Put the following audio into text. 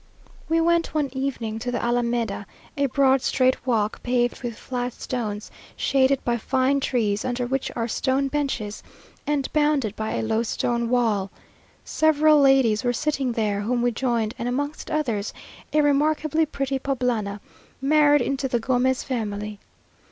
We went one evening to the alameda, a broad, straight walk, paved with flat stones, shaded by fine trees, under which are stone benches, and bounded by a low stone wall. Several ladies were sitting there, whom we joined, and amongst others, a remarkably pretty Poblana, married into the Gomez family.